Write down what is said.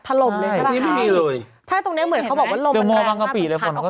ถล่มเลยใช่ปะใช่ตรงเนี้ยเหมือนเขาบอกว่าลมมันแรงมาก